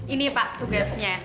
ini pak tugasnya